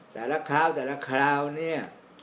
แต่ละคราวนี้